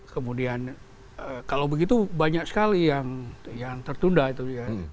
kemudian kalau begitu banyak sekali yang tertunda itu ya